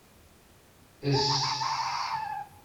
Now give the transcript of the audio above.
Ess!